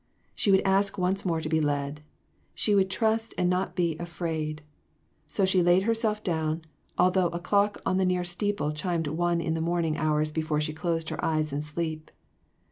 She would ask once more to be led. She would "trust and not be afra'd." So she laid herself down, although a clock in a near steeple chimed one of the morning hours before she closed her eyes in sleep.